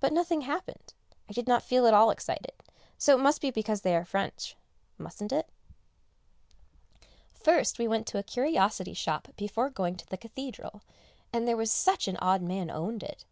But nothing happened, I did not feel at all excited, so it must be because they are French. Mustn't it? [Sidenote: Country Shopping] First we went to a curiosity shop before going to the Cathedral, and there was such an odd man owned it.